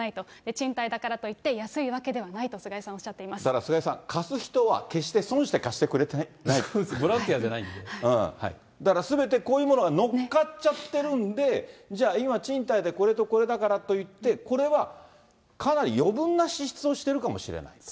賃貸だからといって安いわけではないと、菅井さんおっしゃっていだから菅井さん、貸す人は決そうです、ボランティアじゃだからすべてこういうものがすべて乗っかっちゃってるんで、じゃあ今、賃貸でこれとこれだからっていって、これはかなり余分な支出をしてるかもしれないと。